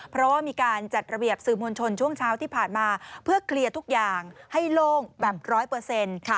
เพราะว่ามีการจัดระเบียบสื่อมวลชนช่วงเช้าที่ผ่านมาเพื่อเคลียร์ทุกอย่างให้โล่งแบบร้อยเปอร์เซ็นต์